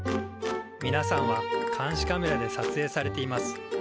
みなさんは監視カメラでさつえいされています。